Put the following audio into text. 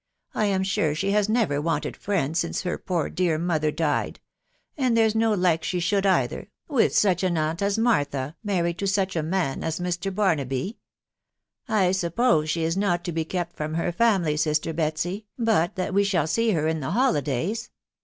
... I Am sure she has. never wanted friends since .her poor dear mother .died ; and there's no like she should either, with .sach.«iwtunt; as Martha, married to such, a manias Mr. Barnaby. ..... I suppose she is not . to be kept from, her iamily, sister Betsy, but that we shall fa? her ia..the holydzys.